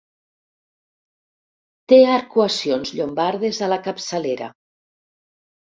Té arcuacions llombardes a la capçalera.